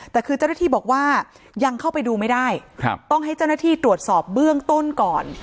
แต่คือเจ้าหน้าที่บอกว่ายังเข้าไปดูไม่ได้ต้องให้เจ้าหน้าที่ตรวจสอบเบื้องต้นก่อน